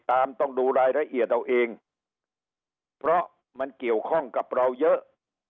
ต้องดูรายละเอียดเอาเองเพราะมันเกี่ยวข้องกับเราเยอะ